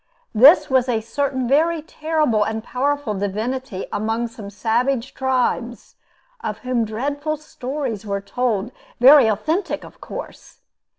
This was a certain very terrible and powerful divinity among some savage tribes, of whom dreadful stories were told very authentic, of course!